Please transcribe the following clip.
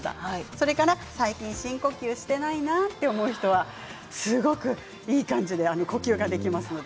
それから最近深呼吸してないなと思う人すごくいい感じで呼吸ができますので。